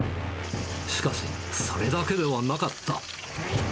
しかし、それだけではなかった。